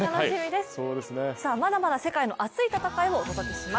まだまだ世界の熱い戦いをお届けします。